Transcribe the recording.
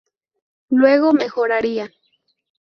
Luego mejoraría.